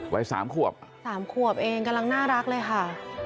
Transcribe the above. วัย๓ขวบ๓ขวบเองกำลังน่ารักเลยค่ะ